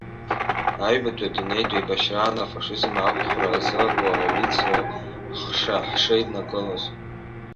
Аҩбатәи адунеитә еибашьраан афашизм ақәхра азы Коалициак ҳшеиднакылоз…